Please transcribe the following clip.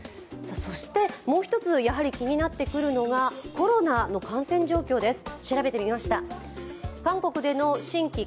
もう一つ気になってくるのがコロナの感染状況です。